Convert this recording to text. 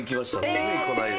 ついこの間。